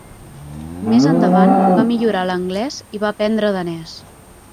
Més endavant va millorar l'anglès i va aprendre danès.